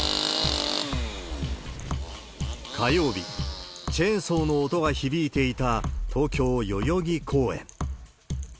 火曜日、チェーンソーの音が響いていた東京・代々木公園。